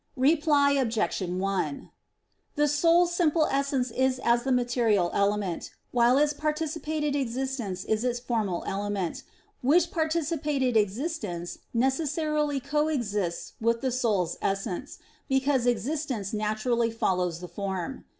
Reply Obj. 1: The soul's simple essence is as the material element, while its participated existence is its formal element; which participated existence necessarily co exists with the soul's essence, because existence naturally follows the form.